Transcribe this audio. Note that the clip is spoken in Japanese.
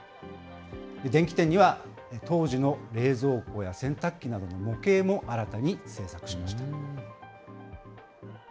電気店には当時の冷蔵庫や洗濯機などの模型も新たに製作しました。